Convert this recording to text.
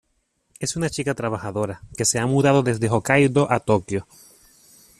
Es una chica trabajadora que se ha mudado desde Hokkaido a Tokio.